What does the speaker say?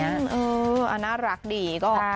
เออน่ารักดี